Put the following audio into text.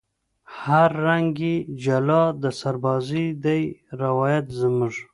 هر رنگ یې جلا د سربازۍ دی روایت زموږ